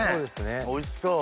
おいしそう！